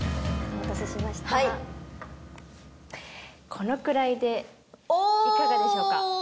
このくらいでいかがでしょうか？